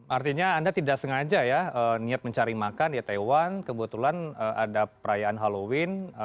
artinya anda tidak sengaja ya niat mencari makan di taiwan kebetulan ada perayaan halloween